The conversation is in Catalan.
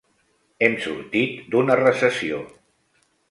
Hem sortit d'una recessió.